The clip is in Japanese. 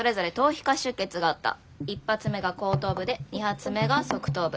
１発目が後頭部で２発目が側頭部。